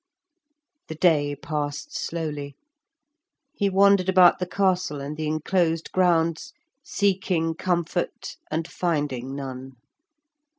The day passed slowly; he wandered about the castle and the enclosed grounds, seeking comfort and finding none.